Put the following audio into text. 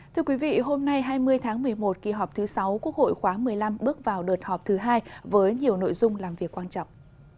thưa quý vị hôm nay hai mươi tháng một mươi một kỳ họp thứ sáu quốc hội khóa một mươi năm bước vào đợt họp thứ hai với nhiều nội dung làm việc quan trọng